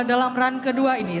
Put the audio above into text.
dalam run kedua ini